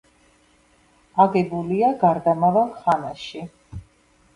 აგებულია გარდამავალ ხანაში.